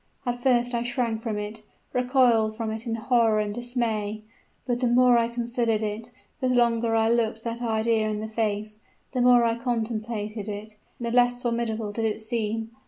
At first I shrank from it recoiled from it in horror and dismay; but the more I considered it the longer I looked that idea in the face the more I contemplated it, the less formidable did it seem.